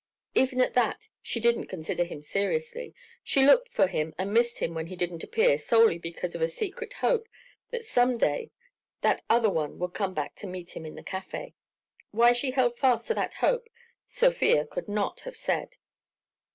Even at that she didn't consider him seriously, she looked for him and missed him when he didn't appear solely because of a secret hope that some day that other one would come back to meet him in the café. Why she held fast to that hope Sofia could not have said.